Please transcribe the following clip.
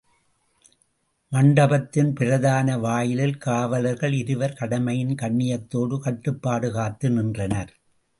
மண்டபத்தின் பிரதான வாயிலில் காவலர்கள் இருவர் கடமையின் கண்ணியத்தோடு, கட்டுப்பாடு காத்து நின்றனர்.